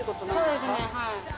そうですねはい。